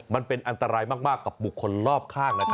มันเป็นอันตรายมากกับบุคคลรอบข้างนะครับ